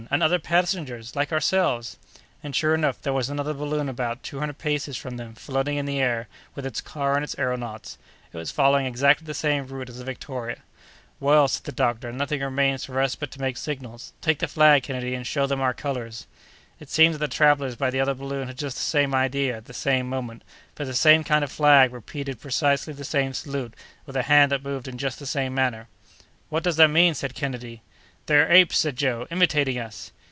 and other passengers, like ourselves!" And, sure enough, there was another balloon about two hundred paces from them, floating in the air with its car and its aëronauts. It was following exactly the same route as the Victoria. "Well," said the doctor, "nothing remains for us but to make signals; take the flag, Kennedy, and show them our colors." It seemed that the travellers by the other balloon had just the same idea, at the same moment, for the same kind of flag repeated precisely the same salute with a hand that moved in just the same manner. "What does that mean?" asked Kennedy. "They are apes," said Joe, "imitating us."